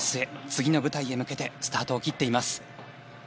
次の舞台へ向けてスタートを切っています。